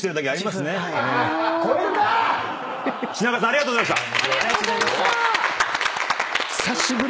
品川さんありがとうございました。